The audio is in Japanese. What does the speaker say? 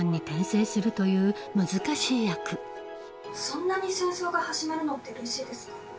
そんなに戦争が始まるのってうれしいですか？